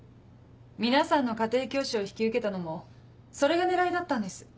皆さんの家庭教師を引き受けたのもそれが狙いだったんです。